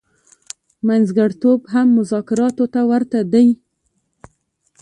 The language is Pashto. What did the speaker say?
منځګړتوب هم مذاکراتو ته ورته دی.